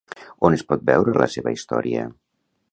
On es pot veure la seva història?